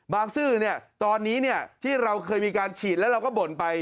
บางซื่อเนี่ยตอนนี้เนี่ยที่เราเคยมีการฉีดแล้วเราก็บ่นไป